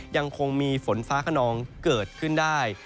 ยังคงมีฝนฟ้าขนองเกิดขึ้นได้